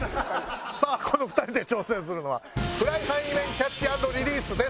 さあこの２人で挑戦するのはフライ背面キャッチ＆リリースです。